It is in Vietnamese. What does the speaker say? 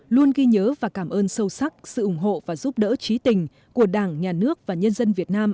luôn ghi nhớ và cảm ơn sâu sắc sự ủng hộ và giúp đỡ trí tình của đảng nhà nước và nhân dân việt nam